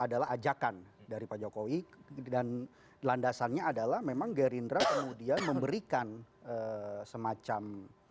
adalah ajakan dari pak jokowi dan landasannya adalah memang gerindra kemudian memberikan semacam